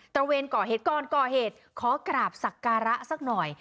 ตระเวนก่อเหตุก่อเหตุขอากราบศักรรย์ละซักหน่อย